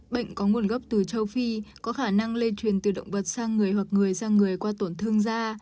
bệnh có nguồn gốc từ châu phi có khả năng lây truyền từ động vật sang người hoặc người sang người qua tổn thương da